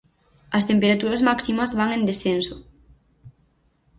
As temperaturas máximas van en descenso.